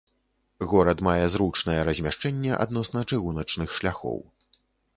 Горад мае зручнае размяшчэнне адносна чыгуначных шляхоў.